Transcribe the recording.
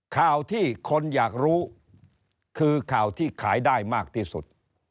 ข่าวที่คนอยากรู้คือข่าวที่ขายได้มากที่สุด